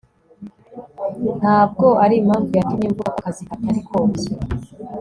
ntabwo arimpamvu yatumye mvuga ko akazi katari koroshye